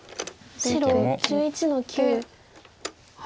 白１１の九。